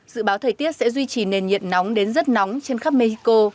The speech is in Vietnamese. dự báo thời tiết sẽ duy trì nền nhiệt nóng đến rất nóng trên khắp mexico